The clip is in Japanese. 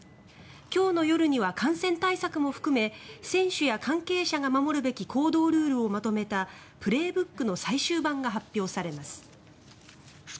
今日の夜には感染対策も含め選手や関係者が守るべき行動ルールをまとめた「プレーブック」の最終版が発表されます。